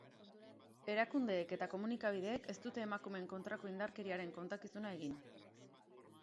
Erakundeek eta komunikabideek ez dute emakumeen kontrako indarkeriaren kontakizuna egin.